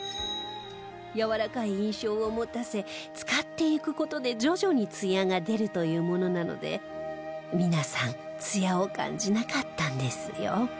やわらかい印象を持たせ使っていく事で徐々にツヤが出るというものなので皆さんツヤを感じなかったんですよ